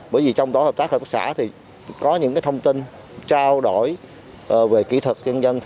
bởi vì trong tổ hợp tác xã có những thông tin trao đổi về kỹ thuật dân dân